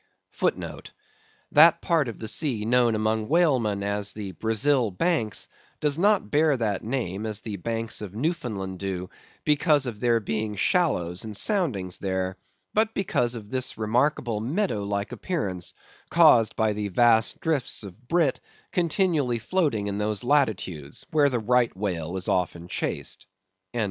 * *That part of the sea known among whalemen as the "Brazil Banks" does not bear that name as the Banks of Newfoundland do, because of there being shallows and soundings there, but because of this remarkable meadow like appearance, caused by the vast drifts of brit continually floating in those latitudes, where the Right Whale is often chased.